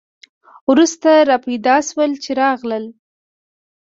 وروسته را پیدا شول چې راغلل.